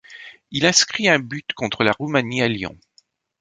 Il inscrit un but contre la Roumanie à Lyon.